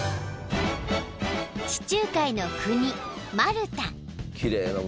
［地中海の国マルタ］